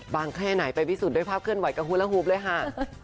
แค่ไหนไปพิสูจน์ด้วยภาพเคลื่อนไหวกับฮูละฮูบเลยค่ะ